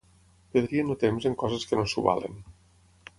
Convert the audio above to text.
Perdrien el temps en coses que no s'ho valen.